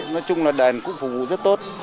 nói chung là đền cũng phục vụ rất tốt